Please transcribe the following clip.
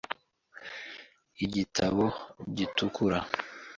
Igitabo gitukura .